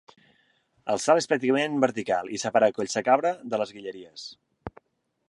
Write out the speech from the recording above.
El salt és pràcticament vertical i separa Collsacabra de Les Guilleries.